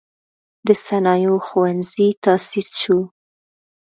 د صنایعو ښوونځی تأسیس شو.